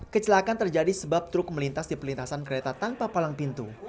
kecelakaan terjadi sebab truk melintas di perlintasan kereta tanpa palang pintu